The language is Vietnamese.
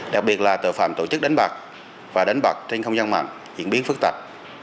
đặc biệt là tội phạm tổ chức đánh bạc và đánh bạc trên không gian mạng diễn biến phức tạp